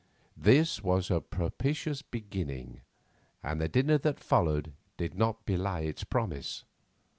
This was a propitious beginning, and the dinner that followed did not belie its promise.